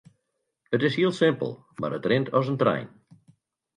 It is hiel simpel mar it rint as in trein.